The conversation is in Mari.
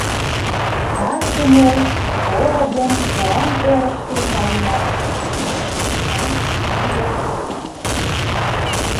— Таче ме Поро ден Куан элышке каена, — вашешта Мария Александровна.